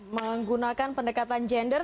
menggunakan pendekatan gender